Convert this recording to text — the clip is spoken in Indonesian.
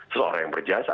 seorang yang berjasa